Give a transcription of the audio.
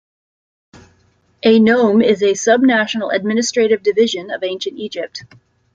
A nome is a subnational administrative division of Ancient Egypt.